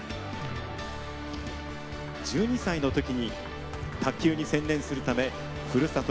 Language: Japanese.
１２歳のときに卓球に専念するためふるさと